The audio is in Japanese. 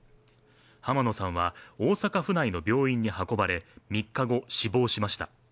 濱野さんは大阪府内の病院に運ばれ３日後、死亡しました。